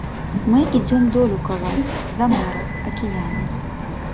Мы ідзём долю каваць, за мора, акіяны.